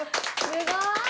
すごーい！